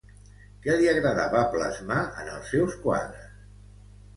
Què li agradava plasmar en els seus quadres?